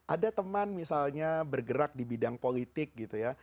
ada teman misalnya bergerak di bidang politik gitu ya